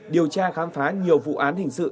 điều tra khám phá nhiều vụ án hình sự